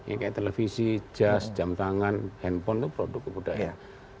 ya kayak televisi jas jam tangan handphone itu produk kebudayaan